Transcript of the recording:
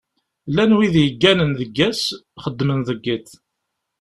Llan wid yegganen deg ass, xeddmen deg iḍ.